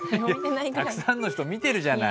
たくさんの人見てるじゃない。